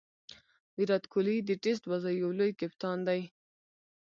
ویرات کهولي د ټېسټ بازي یو لوی کپتان دئ.